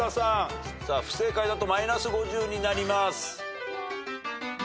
不正解だとマイナス５０になります。